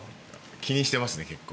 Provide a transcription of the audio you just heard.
気にしてますね結構。